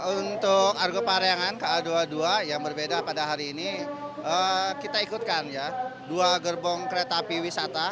untuk argo parayangan ka dua puluh dua yang berbeda pada hari ini kita ikutkan ya dua gerbong kereta api wisata